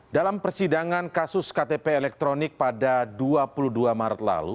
dalam persidangan kasus ktp elektronik pada dua puluh dua maret lalu